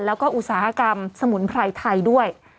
แล้วก็อุตสาหกรรมสมุนไพรไทยด้วย